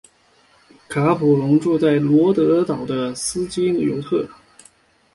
卡普荣住在罗德岛的斯基尤特。